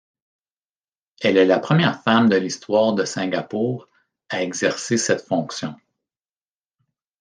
Elle est la première femme de l'histoire de Singapour à exercer cette fonction.